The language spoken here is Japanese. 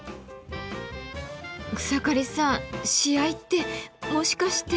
草刈さん試合ってもしかして。